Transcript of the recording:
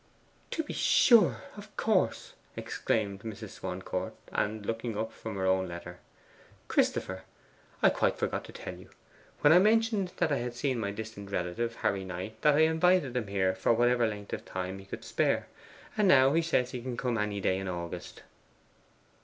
'To be sure, of course,' exclaimed Mrs. Swancourt; and looking up from her own letter. 'Christopher, I quite forgot to tell you, when I mentioned that I had seen my distant relative, Harry Knight, that I invited him here for whatever length of time he could spare. And now he says he can come any day in August.